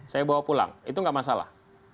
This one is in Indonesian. saya bawa pulang itu nggak masalah